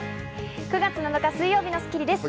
９月７日、水曜日の『スッキリ』です。